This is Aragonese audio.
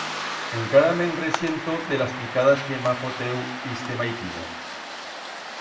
Encara me'n resiento, de las picadas que m'ha foteu iste maitino.